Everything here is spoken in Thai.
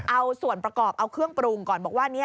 เอาส่วนประกอบเอาเครื่องปรุงก่อนบอกว่า